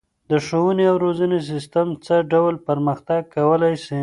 د ښوونې او روزنې سيستم څه ډول پرمختګ کولای سي؟